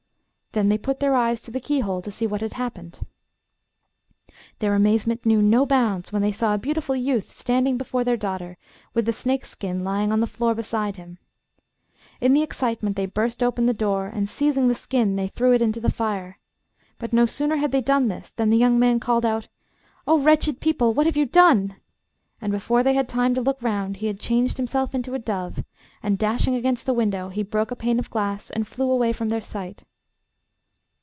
Then they put their eyes to the keyhole to see what had happened. Their amazement knew no bounds when they saw a beautiful youth standing before their daughter with the snake's skin lying on the floor beside him. In their excitement they burst open the door, and seizing the skin they threw it into the fire. But no sooner had they done this than the young man called out, 'Oh, wretched people! what have you done?' and before they had time to look round he had changed himself into a dove, and dashing against the window he broke a pane of glass, and flew away from their sight.